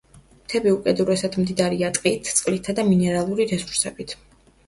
მთები უკიდურესად მდიდარია ტყით, წყლითა და მინერალური რესურსებით.